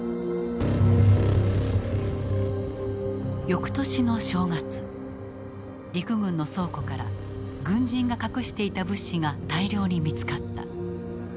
翌年の正月陸軍の倉庫から軍人が隠していた物資が大量に見つかった。